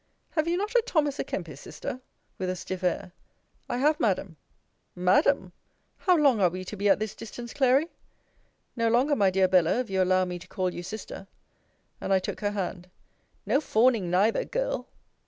Have you not a Thomas a Kempis, Sister? with a stiff air. I have, Madam. Madam! How long are we to be at this distance, Clary? No longer, my dear Bella, if you allow me to call you sister. And I took her hand. No fawning neither, Girl!